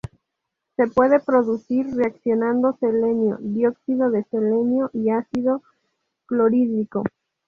Se puede producir reaccionando selenio, dióxido de selenio y ácido clorhídrico.